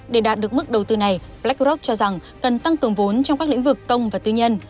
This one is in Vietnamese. để đạt được mức đầu tư này blackrock cho rằng cần tăng cường vốn trong các lĩnh vực công và tư nhân